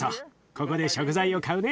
ここで食材を買うね。